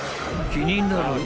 ［気になる］